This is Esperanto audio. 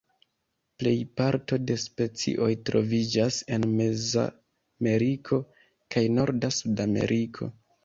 Plej parto de specioj troviĝas en Mezameriko kaj norda Sudameriko.